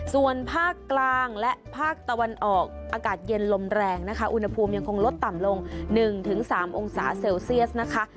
ส่วนภาคกลางและภาคตะวันออกอากาศเย็นลมแรงนะคะอุณหภูมิยังคงลดต่ำลง๑๓องศาเซลเซียสนะคะ